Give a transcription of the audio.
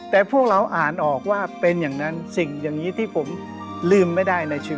แต่พวกเราอ่านออกว่าเป็นอย่างนั้นสิ่งอย่างนี้ที่ผมลืมไม่ได้ในชีวิต